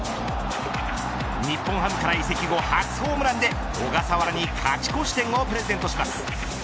日本ハムから移籍後初ホームランで小笠原に勝ち越し点をプレゼントします。